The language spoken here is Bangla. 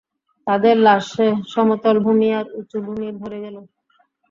তাদের লাশে সমতল ভূমি আর উঁচু ভূমি ভরে গেল।